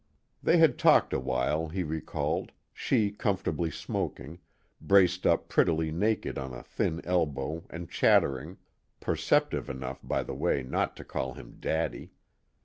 They had talked a while, he recalled, she comfortably smoking, braced up prettily naked on a thin elbow and chattering perceptive enough, by the way, not to call him Daddy....